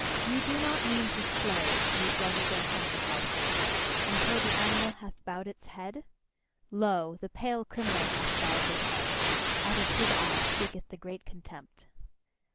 Ye do not mean to slay, ye judges and sacrificers, until the animal hath bowed its head? Lo! the pale criminal hath bowed his head: out of his eye speaketh the great contempt.